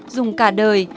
dùng cả đời